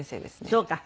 そうか。